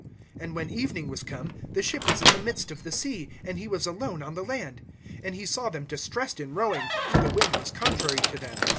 (47)And when evening was come, the ship was in the midst of the sea, and he was alone on the land. (48)And he saw them distressed in rowing, for the wind was contrary to them.